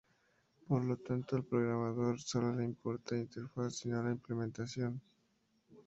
Por lo tanto, al programador solo le importa la interfaz y no la implementación.